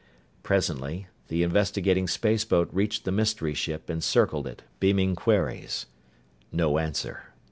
Presently the investigating spaceboat reached the mystery ship and circled it, beaming queries. No answer.